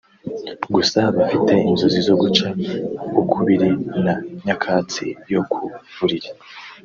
gusa bafite inzozi zo guca ukubiri na nyakatsi yo ku buriri